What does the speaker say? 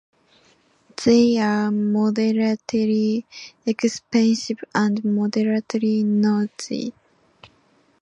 They are moderately expensive and moderately noisy.